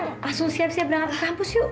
langsung siap siap berangkat ke kampus yuk